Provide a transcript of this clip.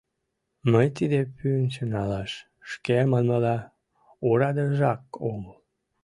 Мый тиде пӱнчым налаш, шке манмыла, орадыжак омыл.